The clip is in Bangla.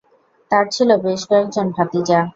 তার ছিল বেশ কয়েকজন ভাতিজা।